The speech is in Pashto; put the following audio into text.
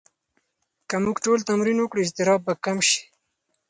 که موږ ټول تمرین وکړو، اضطراب به کم شي.